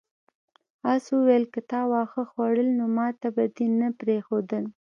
آس وویل که تا واښه خوړلی نو ماته به دې نه پریښودل.